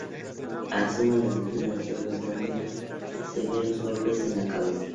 Asuma los detiene a todos dándoles severos golpes en la cabeza.